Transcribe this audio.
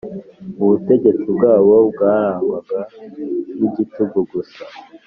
ubutegetsi bwabo bwarangwaga n’igitugu gusa